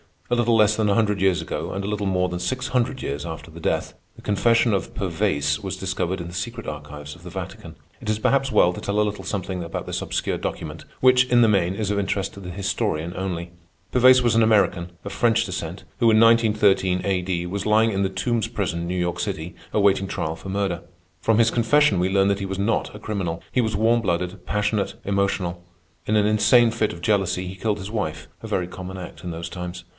A little less than a hundred years ago, and a little more than six hundred years after her death, the confession of Pervaise was discovered in the secret archives of the Vatican. It is perhaps well to tell a little something about this obscure document, which, in the main, is of interest to the historian only. Pervaise was an American, of French descent, who in 1913 A.D., was lying in the Tombs Prison, New York City, awaiting trial for murder. From his confession we learn that he was not a criminal. He was warm blooded, passionate, emotional. In an insane fit of jealousy he killed his wife—a very common act in those times.